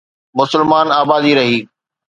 مسلمان آبادي رهي.